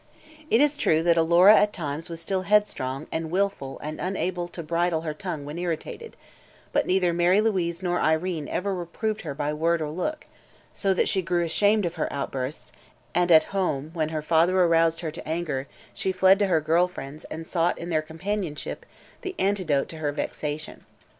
It is true that Alora at times was still headstrong and willful and unable to bridle her tongue when irritated, but neither Mary Louise nor Irene ever reproved her by word or look, so that she grew ashamed of her outbursts and when at home her father aroused her to anger she fled to her girl friends and sought in their companionship the antidote to her vexation.